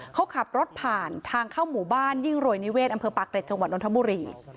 เขาขับรถผ่านทางเข้าหมู่บ้านยิ่งรวยนิเวศอำเภอปากเกร็จจังหวัดนทบุรี